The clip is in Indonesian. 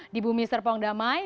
di bumi serpong damai